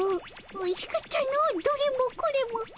おいしかったのうどれもこれも。